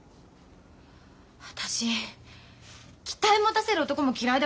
私期待持たせる男も嫌いだから。